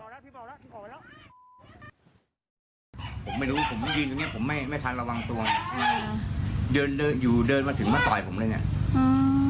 ผมไม่รู้ผมหนึ่งตรงเนี้ยผมไม่ไม่ทันระวังตัวแบบอืมเดินอยู่เดินมาถึงมาต่อแบบผมด้วยเนี้ย